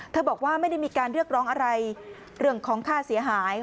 บอกว่าไม่ได้มีการเรียกร้องอะไรเรื่องของค่าเสียหาย